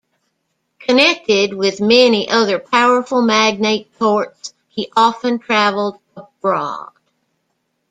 Connected with many other powerful magnate courts, he often traveled abroad.